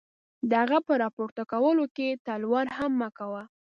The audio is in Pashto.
د هغه په را پورته کولو کې تلوار هم مه کوه.